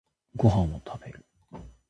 ご飯を食べる。